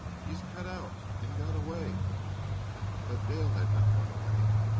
"He's cut out and got away!" But Dale had not run away.